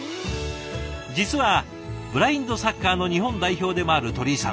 実はブラインドサッカーの日本代表でもある鳥居さん。